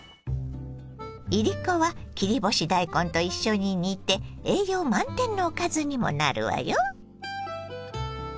いりこは切り干し大根と一緒に煮て栄養満点のおかずにもなるわよ。